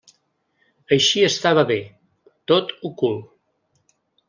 Així estava bé: tot ocult.